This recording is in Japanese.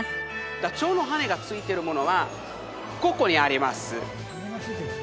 ダチョウの羽がついてるものはここにあります